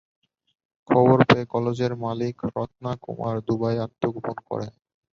খবর পেয়ে কলেজের মালিক রথনা কুমার দুবাইয়ে আত্মগোপন করেন।